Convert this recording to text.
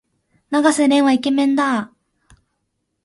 永瀬廉はイケメンだ。